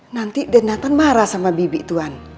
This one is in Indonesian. nanti dan natan marah sama bibi tuan